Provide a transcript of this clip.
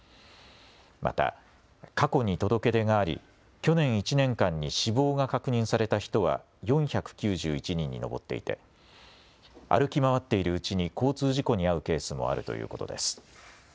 また過去に届け出があり去年１年間に死亡が確認された人は４９１人に上っていて歩き回っているうちに交通事故に遭うケースもあるということです。